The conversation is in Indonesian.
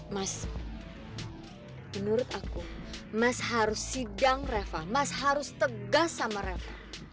mas menurut aku mas harus sidang reva mas harus tegas sama reva